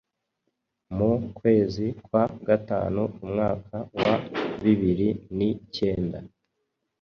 mu kwezi kwa gatanu umwaka wa bibiri ni kenda